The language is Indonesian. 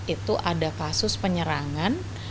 itu ada kasus penyerangan